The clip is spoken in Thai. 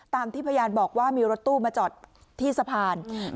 ตามที่พยานบอกว่ามีรถตู้มาจอดที่สะพานอืม